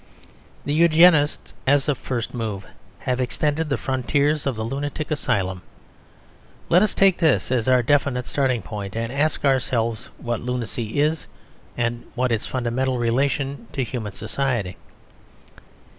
The Eugenists, as a first move, have extended the frontiers of the lunatic asylum: let us take this as our definite starting point, and ask ourselves what lunacy is, and what is its fundamental relation to human society.